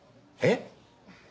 えっ！？